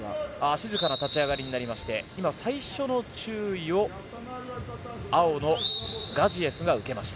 静かな立ち上がりとなって最初の注意を青のガジエフが受けました。